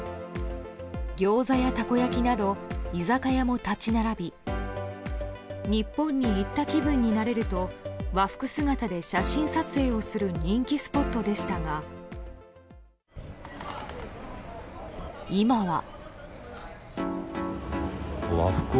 ギョーザやたこ焼きなど居酒屋も立ち並び日本に行った気分になれると和服姿で写真撮影をする人気スポットでしたが今は。